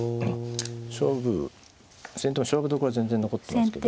勝負先手も勝負どころは全然残ってますけど。